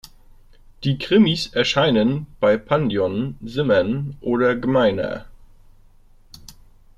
Die Krimis erscheinen bei Pandion, Simmern, oder Gmeiner.